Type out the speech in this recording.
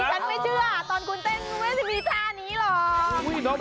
ฉันไม่เชื่อตอนคุณเต้นไม่ใช่มีท่านี้หรอก